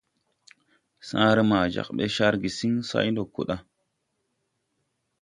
Sããre maa jāg ɓe car gesiŋ say ndo ko da.